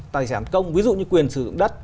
tài sản công ví dụ như quyền sử dụng đất